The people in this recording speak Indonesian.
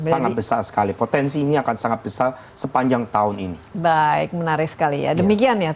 sangat besar sekali potensi ini akan sangat besar sepanjang tahun ini baik menarik sekali ya demikian ya